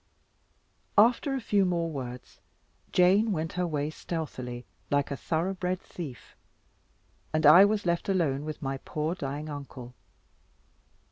After a few more words, Jane went her way stealthily, like a thorough bred thief; and I was left alone with my poor dying uncle.